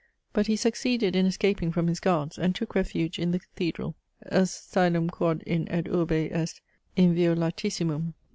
But he succeeded in escaping from his guards, and took refuge in the cathedral, asylum quod in ed urhe est invio latissimum